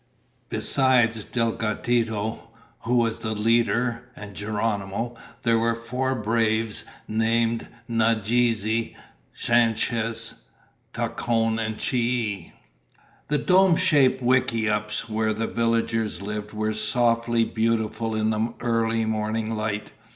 Besides Delgadito, who was the leader, and Geronimo, there were four braves named Nadeze, Sanchez, Tacon, and Chie. The dome shaped wickiups where the villagers lived were softly beautiful in the early morning light.